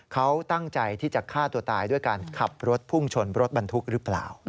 เขาตั้งใจที่จะฆ่าตัวตายด้วยการขับรถพุ่งชนรถบรรทุกหรือเปล่า